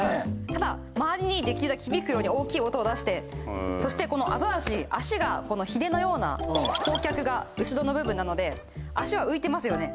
ただ周りにできるだけ響くように大きい音を出してそしてこのアザラシ足がひれのような後脚が後ろの部分なので足は浮いてますよね